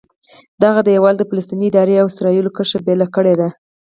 دغه دیوال د فلسطیني ادارې او اسرایلو کرښه بېله کړې ده.